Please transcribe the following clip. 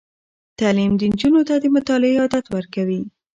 تعلیم نجونو ته د مطالعې عادت ورکوي.